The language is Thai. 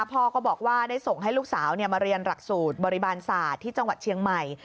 พ่อก็บอกว่าได้ส่งให้ลูกสาวมาเรียนหลักสูตรบริบาลศาสตร์ที่จังหวัดเชียงใหม่